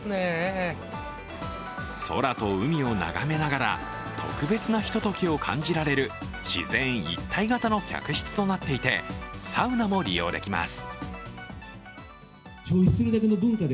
空と海を眺めながら特別なひとときを感じられる自然一体型の客室となっていてサウナも利用できます。